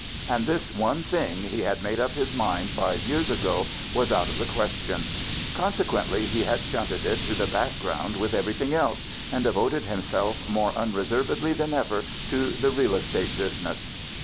And this one thing he had made up his mind five years ago was out of the question. Consequently he had shunted it to the background with every thing else, and devoted himself more unre servedly than ever to the real estate busi ness.